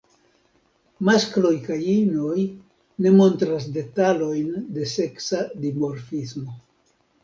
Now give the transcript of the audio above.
Maskloj kaj inoj ne montras detalojn de seksa dimorfismo.